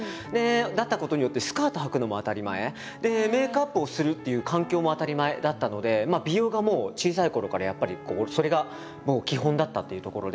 だったことによってメイクアップをするっていう環境も当たり前だったので美容がもう小さいころからやっぱりそれが基本だったっていうところで。